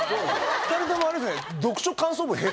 ２人ともあれですね。